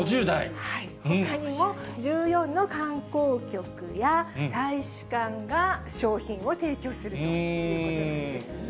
ほかにも、１４の観光局や大使館が商品を提供するということなんですね。